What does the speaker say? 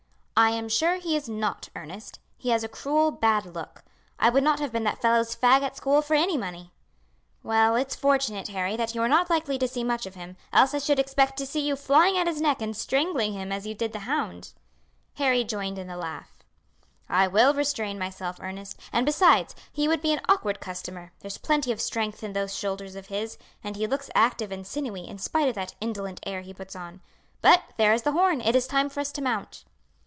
"I am sure he is not, Ernest; he has a cruel bad look. I would not have been that fellow's fag at school for any money. "Well, it's fortunate, Harry, that you are not likely to see much of him, else I should expect to see you flying at his neck and strangling him as you did the hound." Harry joined in the laugh. "I will restrain myself, Ernest; and besides, he would be an awkward customer; there's plenty of strength in those shoulders of his, and he looks active and sinewy in spite of that indolent air he puts on; but there is the horn, it is time for us to mount."